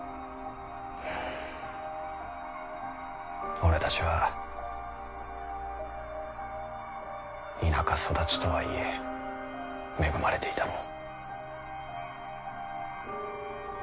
俺たちは田舎育ちとはいえ恵まれていたのう。